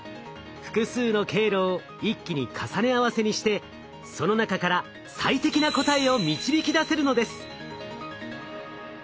複数の経路を一気に重ね合わせにしてその中から最適な答えを導き出せるのです。